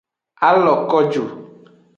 A lo ko ju.